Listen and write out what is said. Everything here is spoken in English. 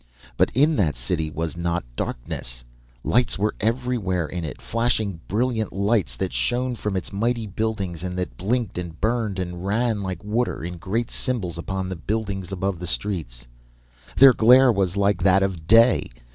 "But in that city was not darkness! Lights were everywhere in it, flashing brilliant lights that shone from its mighty buildings and that blinked and burned and ran like water in great symbols upon the buildings above the streets. Their glare was like that of day!